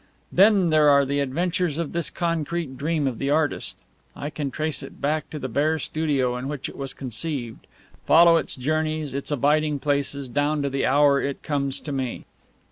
Then there are the adventures of this concrete dream of the artist. I can trace it back to the bare studio in which it was conceived, follow its journeys, its abiding places, down to the hour it comes to me."